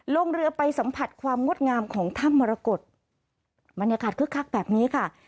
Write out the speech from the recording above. ลงเรือไปสัมผัสความงดงามของถ้ำมรกฏบรรยากาศคึกคักแบบนี้ค่ะ